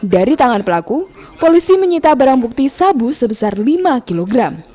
dari tangan pelaku polisi menyita barang bukti sabu sebesar lima kg